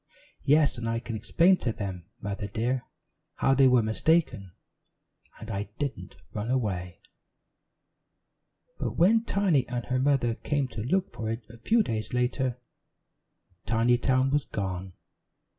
"Yes, and I can explain to them, Mother dear, how they were mistaken, and I didn't run away." But when Tiny and her mother came to look for it a few days later, Tinytown was gone.